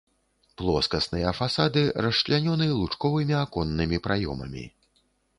Плоскасныя фасады расчлянёны лучковымі аконнымі праёмамі.